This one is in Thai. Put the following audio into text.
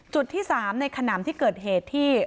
จุดที่สามในขนามที่เกิดเหตุที่